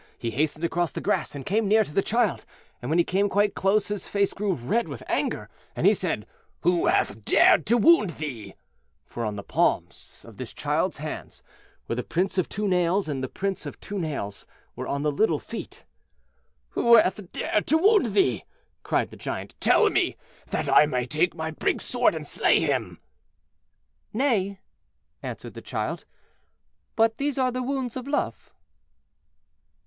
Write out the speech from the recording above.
He hastened across the grass, and came near to the child. And when he came quite close his face grew red with anger, and he said, "Who hath dared to wound thee?" For on the palms of the child's hands were the prints of two nails, and the prints of two nails were on the little feet. "Who hath dared to wound thee?" cried the Giant; "tell me, that I may take my big sword and slay him." "Nay!" answered the child; "but these are the wounds of Love."